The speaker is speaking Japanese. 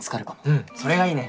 うんそれがいいね。